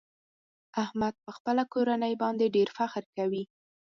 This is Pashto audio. احمد په خپله کورنۍ باندې ډېر فخر کوي.